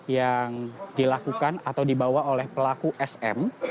yang dilakukan atau dibawa oleh pelaku sm